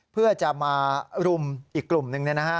เพื่อจะมารุมอีกกลุ่มนึงนะฮะ